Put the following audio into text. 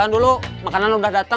coba aja asik tau